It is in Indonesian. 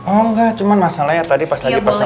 oh nggak cuma masalahnya tadi pas lagi pesen